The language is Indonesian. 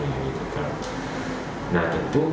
nah tentu pernyataan